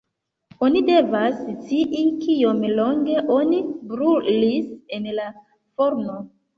Oni devas scii, kiom longe oni brulis en la forno“.